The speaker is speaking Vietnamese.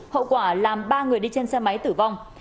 hậu quả làm ba người đi trên xe máy tử vong